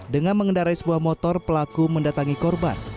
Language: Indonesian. dengan mengendarai sebuah motor pelaku mendatangi korban